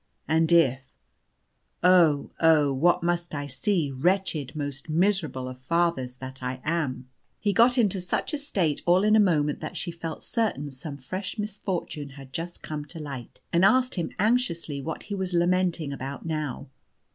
And if Oh, oh, what must I see, wretched, most miserable of fathers that I am?" He got into such a state all in a moment that she felt certain some fresh misfortune had just come to light, and asked him anxiously what he was lamenting about now.